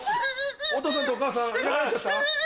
お父さんとお母さんいなくなっちゃった？